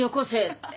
って。